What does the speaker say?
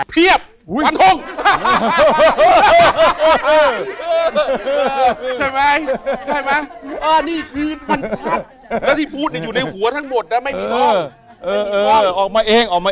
เยียบวันทุ่งฮ่า